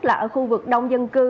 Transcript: là ở khu vực đông dân cư